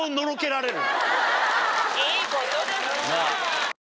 いいことですなぁ。